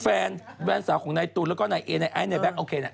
แฟนแว่นสาวของนายตูนแล้วก็นายไอนายแบ๊กโอเคนะ